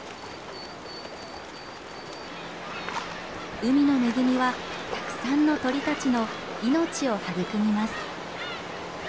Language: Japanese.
海の恵みはたくさんの鳥たちの命を育みます。